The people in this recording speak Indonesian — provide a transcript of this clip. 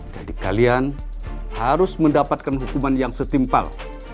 jadi kalian harus mendapatkan hukuman yang setimpal